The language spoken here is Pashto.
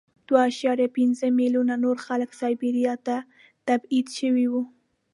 دوه اعشاریه پنځه میلیونه نور خلک سایبریا ته تبعید شوي وو